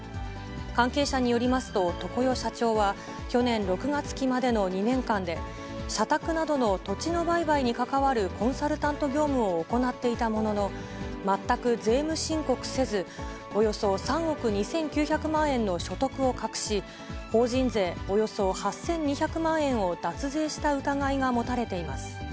関係者によりますと、常世社長は、去年６月期までの２年間で、社宅などの土地の売買に関わるコンサルタント業務を行っていたものの、全く税務申告せず、およそ３億２９００万円の所得を隠し、法人税およそ８２００万円を脱税した疑いが持たれています。